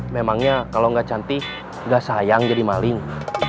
memangnya kalau gak cantik gak sayang jadi maling